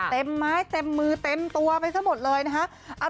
เต็มไม้เต็มมือเต็มตัวไปซะหมดเลยนะฮะ